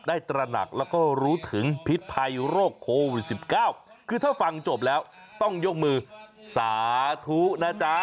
ตระหนักแล้วก็รู้ถึงพิษภัยโรคโควิด๑๙คือถ้าฟังจบแล้วต้องยกมือสาธุนะจ๊ะ